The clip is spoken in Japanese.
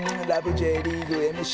Ｊリーグ』ＭＣ